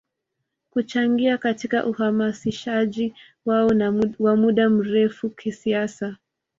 Kuchangia katika uhamasishaji wao wa muda mrefu kisiasa